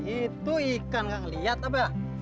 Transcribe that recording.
itu ikan nggak lihat apa